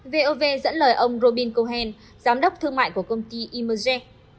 vov dẫn lời ông robin cohen giám đốc thương mại của công ty e merserat